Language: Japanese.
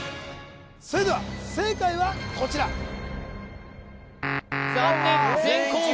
それでは正解はこちら残念！